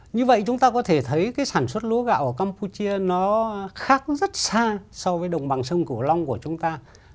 như vậy chúng ta có thể thấy cái sản xuất lúa gạo ở campuchia nó khác rất xa so với đồng bằng sông cửu long của chúng ta